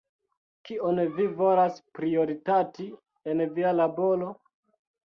Kion vi volas prioritati en via laboro?